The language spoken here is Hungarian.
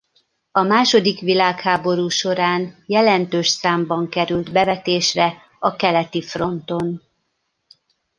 A második világháború során jelentős számban került bevetésre a keleti fronton.